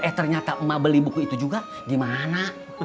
eh ternyata emak beli buku itu juga gimana